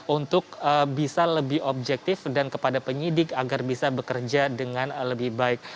untuk bisa lebih objektif dan kepada penyidik agar bisa bekerja dengan lebih baik